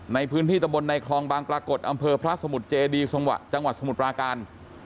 ในพื้นที่ตะบนในคลองบางปรากฏอำเภอพระสมุทรเจดีจังหวัดสมุทรปราการ